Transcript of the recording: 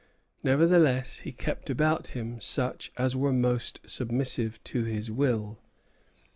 Nevertheless he kept about him such as were most submissive to his will."